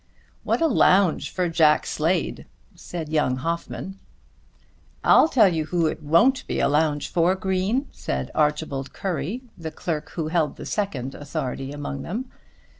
"What a lounge for Jack Slade," said young Hoffmann. "I'll tell you who it won't be a lounge for, Green," said Archibald Currie, the clerk who held the second authority among them.